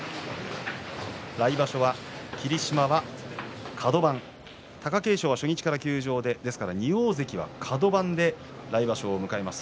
来場所は霧島はカド番貴景勝は初日から休場でですから２大関カド番で来場所を迎えます。